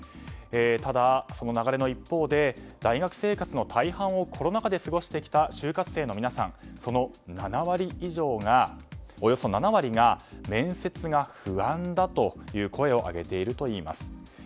ただ、その流れの一方で大学生活の大半をコロナ禍で過ごしてきた就活性の皆さんそのおよそ７割が面接が不安だという声を上げているといいます。